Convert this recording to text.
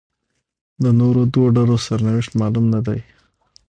د نورو دوو ډلو سرنوشت معلوم نه دی.